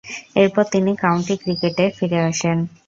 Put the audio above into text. এরপর তিনি কাউন্টি ক্রিকেটে ফিরে আসেন।